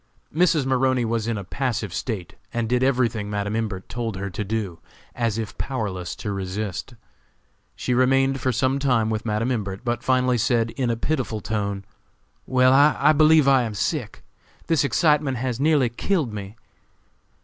Mrs. Maroney was in a passive state, and did everything Madam Imbert told her to do, as if powerless to resist. She remained for some time with Madam Imbert, but finally said, in a pitiful tone: "Well, I believe I am sick. This excitement has nearly killed me."